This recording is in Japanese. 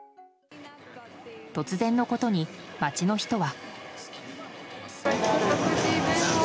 突然のことに、街の人は。